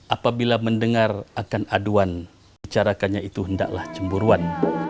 apabila mendengar akan aduan bicarakannya itu hendaklah cemburuan